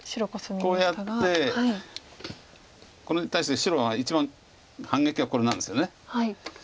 こうやってこれに対して白が一番反撃はこれなんですよね。